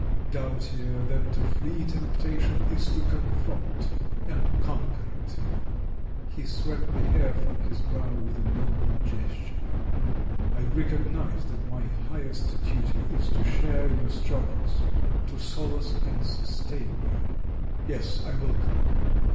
Dougli tier than to flee temptation is to confront and con quer it." He swept the hair from his brow with a noble gesture. "I recognise that my highest duty is to share your struggles — to solace and sustain you. Yes, I will come!